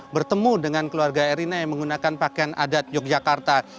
bertemu dengan keluarga erina yang menggunakan pakaian adat yogyakarta